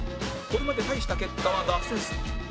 これまで大した結果は出せず